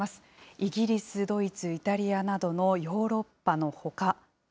イギリス、ドイツ、イタリアなどのヨーロッパのほか。